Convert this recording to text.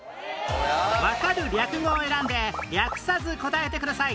わかる略語を選んで略さず答えてください